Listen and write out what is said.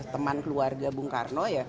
teman keluarga bung karno